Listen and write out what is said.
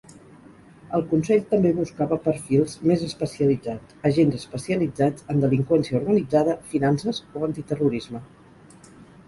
El Consell també buscava perfils més especialitzats; agents especialitzats en delinqüència organitzada, finances o antiterrorisme.